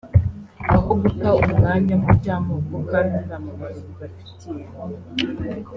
aho guta umwanya mu by’amoko kandi nta mumaro bibafitiye